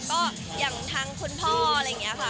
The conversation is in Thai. ก็อย่างทางคุณพ่ออะไรอย่างนี้ค่ะ